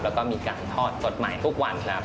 แล้วก็มีการทอดสดใหม่ทุกวันครับ